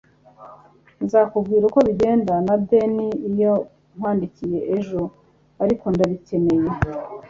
nzakubwira uko bigenda na danny iyo nkwandikiye ejo, ariko ndabikeneye